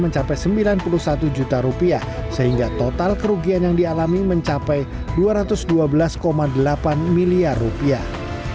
mencapai sembilan puluh satu juta rupiah sehingga total kerugian yang dialami mencapai dua ratus dua belas delapan miliar rupiah